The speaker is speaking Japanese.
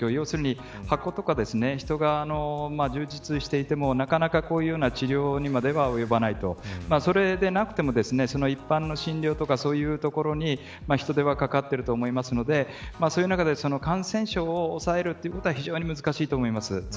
やはり物も不足している状況で箱とか人が充実していてもなかなかこういう治療には及ばないとそれでなくても一般の診療とかそういうところに人手はかかっていると思いますのでその中で感染症を抑えることは非常に難しいと思います。